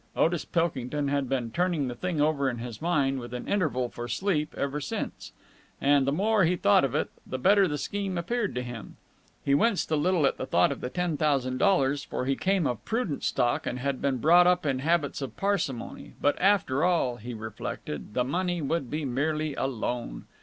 Otis Pilkington had been turning the thing over in his mind, with an interval for sleep, ever since. And the more he thought of it, the better the scheme appeared to him. He winced a little at the thought of the ten thousand dollars, for he came of prudent stock and had been brought up in habits of parsimony, but, after all, he reflected, the money would be merely a loan.